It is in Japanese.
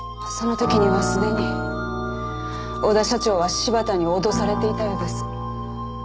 その時にはすでに小田社長は柴田に脅されていたようです。